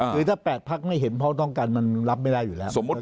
คือถ้า๘พักไม่เห็นพ้องต้องกันมันรับไม่ได้อยู่แล้ว